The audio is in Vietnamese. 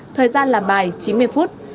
thời gian làm bài chín mươi phút